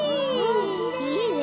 いいね。